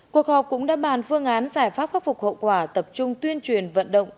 cuộc học cũng đáp bàn phương án giải pháp khắc phục hậu quả tập trung tuyên truyền vận động